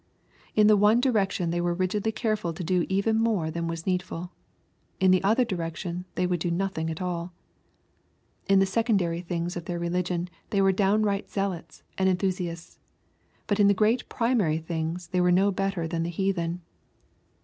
In the one direction they were rigidly careful to do even more than was needful. In the other direction they would do nothing at all. In the secondary things of their religion they were downright zealots and enthus iasts. But in the great primary things they were no bet ter than the heathen.